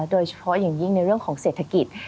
โดยเฉพาะอย่างยิ่งในเรื่องของเศรษฐกิจ